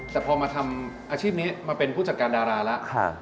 แต่พอมาทำอาชีพนี้มาเป็นผู้จัดการดาราแล้ว